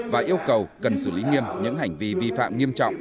và yêu cầu cần xử lý nghiêm những hành vi vi phạm nghiêm trọng